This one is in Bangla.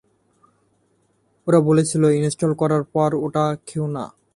ওরা বলেছিল ইনস্টল করার পর ওটা খেয়ো না।